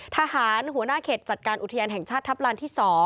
หัวหน้าเขตจัดการอุทยานแห่งชาติทัพลานที่๒